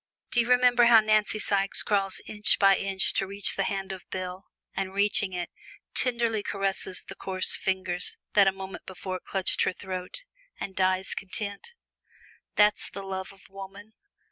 Do you remember how Nancy Sikes crawls inch by inch to reach the hand of Bill, and reaching it, tenderly caresses the coarse fingers that a moment before clutched her throat, and dies content? That's the love of woman!